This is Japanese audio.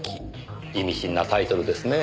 意味深なタイトルですねえ。